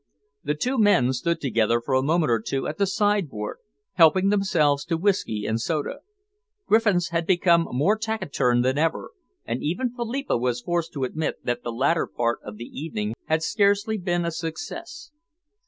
The two men stood together for a moment or two at the sideboard, helping themselves to whisky and soda. Griffiths had become more taciturn than ever, and even Philippa was forced to admit that the latter part of the evening had scarcely been a success.